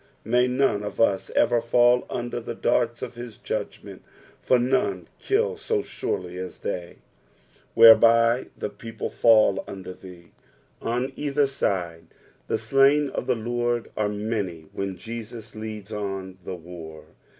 Hay none of us ever fall under the darts .of his judgment, for none kill so surely as they. ''iV/ierfby the peiplejiall under thee." On either side the slain of the Lord are many when Jesus ileads on the war.